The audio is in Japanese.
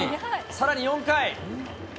さらに４回。